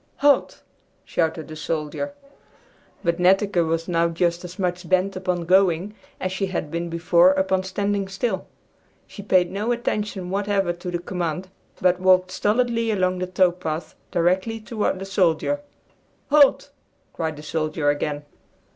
"Halt!" shouted the soldier. But Netteke was now just as much bent upon going as she had been before upon standing still. She paid no attention whatever to the command, but walked stolidly along the tow path directly toward the soldier. "Halt!" cried the soldier again.